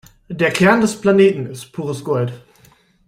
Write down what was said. Der Kern des Planeten ist pures Gold.